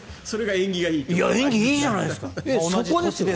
縁起がいいじゃないですか。